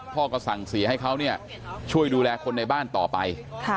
พ่อก็สั่งเสียให้เขาช่วยดูแลคนในบ้านต่อไป